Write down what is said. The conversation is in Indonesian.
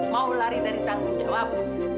mau lari dari tanggung jawab